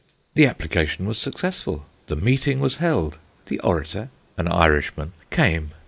The application was successful, the meeting 'was held ; the orator (an Irishman) came.